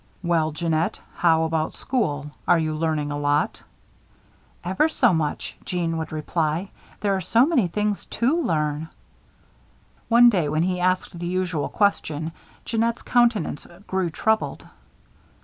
"Well, Jeannette, how about school! Are you learning a lot?" "Ever so much," Jeanne would reply. "There are so many things to learn." One day, when he asked the usual question, Jeannette's countenance grew troubled.